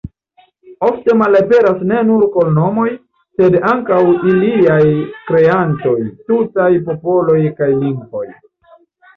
Ofte malaperas ne nur loknomoj, sed ankaŭ iliaj kreantoj, tutaj popoloj kaj lingvoj.